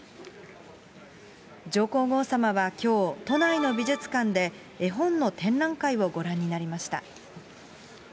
上皇后さまはきょう、都内の美術館で、絵本の展覧会をご覧になりました。